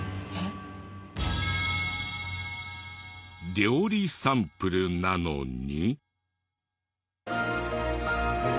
料理サンプルなのに。